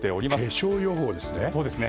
化粧予報ですね。